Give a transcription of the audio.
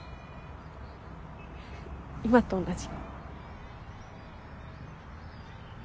今と同じ。